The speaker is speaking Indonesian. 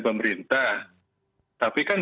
pemerintah tapi kan